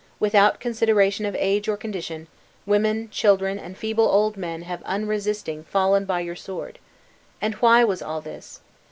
Without consideration of age or condition, women, children, and feeble old men have unresisting fallen by your sword. And why was all this?